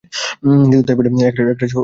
কিন্তু তাই বলিয়া একরাশ ঘি লইয়ো না।